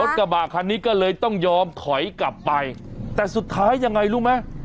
กระบะคันนี้ก็เลยต้องยอมถอยกลับไปแต่สุดท้ายยังไงรู้ไหม